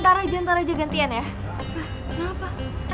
entar aja entar aja gantian ya